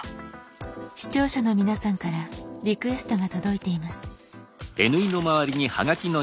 視聴者の皆さんからリクエストが届いています。